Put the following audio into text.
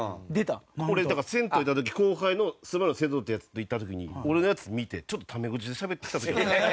俺銭湯行った時後輩のスマイル瀬戸ってヤツと行った時に俺のやつ見てちょっとタメ口でしゃべってきた時があるんですよ。